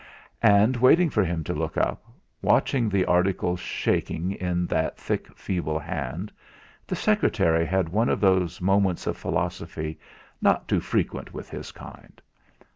And, waiting for him to look up, watching the articles shaking in that thick, feeble hand, the secretary had one of those moments of philosophy not too frequent with his kind.